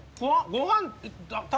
ごはん。